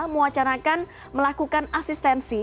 mewacarakan melakukan asistensi